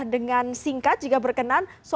dengan singkat jika berkenan